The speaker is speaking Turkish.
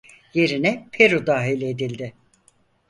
Yerine Peru dahil edildi.